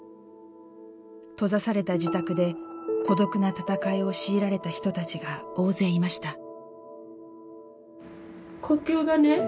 閉ざされた自宅で孤独な闘いを強いられた人たちが大勢いました。